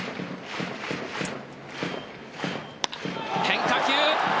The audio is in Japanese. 変化球。